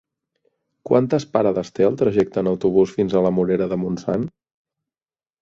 Quantes parades té el trajecte en autobús fins a la Morera de Montsant?